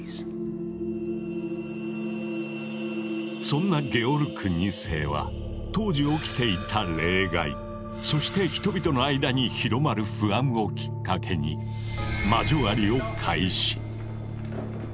そんなゲオルク２世は当時起きていた冷害そして人々の間に広まる不安をきっかけに魔女狩りを開始。